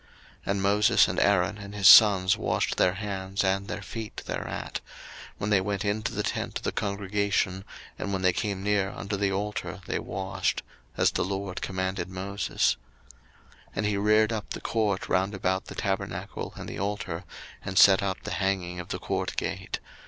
02:040:031 And Moses and Aaron and his sons washed their hands and their feet thereat: 02:040:032 When they went into the tent of the congregation, and when they came near unto the altar, they washed; as the LORD commanded Moses. 02:040:033 And he reared up the court round about the tabernacle and the altar, and set up the hanging of the court gate.